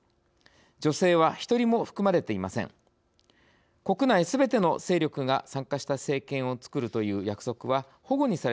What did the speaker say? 女性は１人も含まれていません。